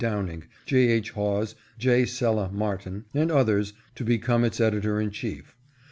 Downing, J. H. Hawes, J. Sella Martin, and others, to become its editor in chief.